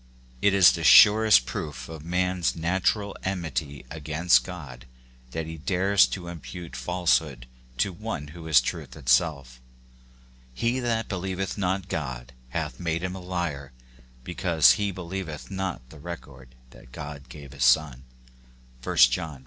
It is the surest proof of a man's natural enmity against God that he dares to imoute falsehood to one who is truth itself. "He that believeth not God hath made him a liar ; be cause he believeth not the record that God gave of his Son." (i John v.